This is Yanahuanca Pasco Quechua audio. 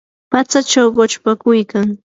patsachaw quchpakuychu.